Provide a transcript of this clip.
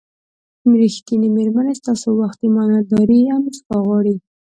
ریښتینې مېرمنې ستاسو وخت، ایمانداري او موسکا غواړي.